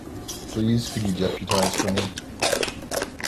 Please could you deputise for me?